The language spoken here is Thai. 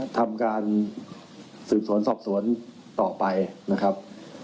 ทำการสืบสวนสอบสวนต่อไปนะครับ